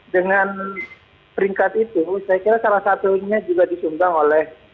dengan peringkat itu saya kira salah satunya juga disumbang oleh